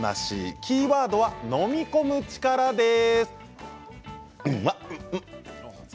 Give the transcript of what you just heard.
キーワードは飲み込む力です。